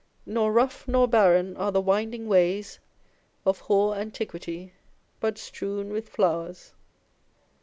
Nor rough nor barren are the winding ways Of hoar Antiquity, but strewn with flowers.